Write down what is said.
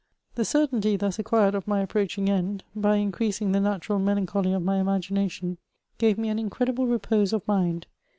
The certainty, thus acquired, of my approaching end, by increasing the natural melancholy of my imagination, gave me an incredible repose of mind.